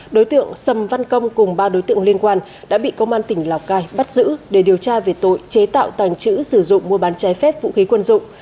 đối tượng sầm văn công cùng ba đối tượng liên quan đã bị công an tỉnh lào cai bắt giữ để điều tra về tội chế tạo tàng trữ sử dụng mua bán trái phép vũ khí quân dụng